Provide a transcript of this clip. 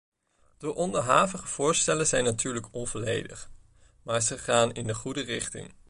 De onderhavige voorstellen zijn natuurlijk onvolledig, maar ze gaan in de goede richting.